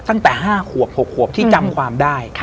ตั้งแต่๕ขวบ๖ขวบที่จำความได้